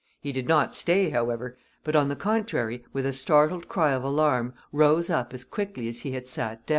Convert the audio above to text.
He did not stay, however, but on the contrary, with a startled cry of alarm, rose up as quickly as he had sat down.